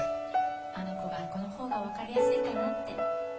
あの子がこの方がわかりやすいかなって